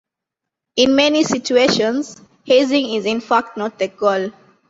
In many situations, hazing is in fact not the goal.